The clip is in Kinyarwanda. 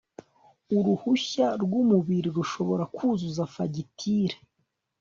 uruhushya rwumubiri rushobora kuzuza fagitire